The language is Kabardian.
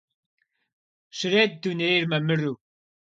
Щрет дунейр мамыру!